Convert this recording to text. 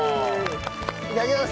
いただきます。